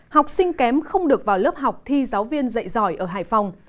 học sinh kém không được vào lớp học thi giáo viên dạy giỏi ở hải phòng